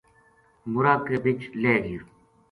مورا کے بِچ لہہ گیو